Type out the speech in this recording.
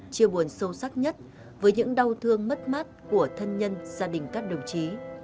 chia buồn sâu sắc nhất với những đau thương mất mát của thân nhân gia đình các đồng chí